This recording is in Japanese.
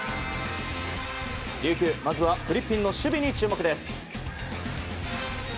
琉球、まずはフリッピンの守備に注目です。